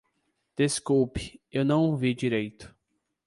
Desculpe - eu não ouvi direito.